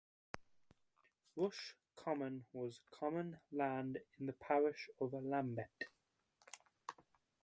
Rush Common was common land in the parish of Lambeth.